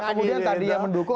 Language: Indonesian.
kemudian tadi yang mendukung